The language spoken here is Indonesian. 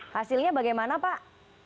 hasilnya bagaimana pak